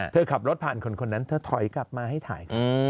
เธอขับรถผ่านคนนั้นเธอถอยกลับมาให้ถ่าย